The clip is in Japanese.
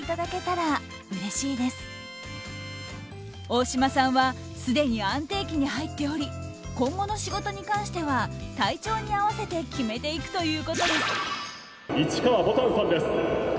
大島さんはすでに安定期に入っており今後の仕事に関しては体調に合わせて決めていくということです。